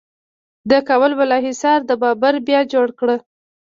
د کابل بالا حصار د بابر بیا جوړ کړ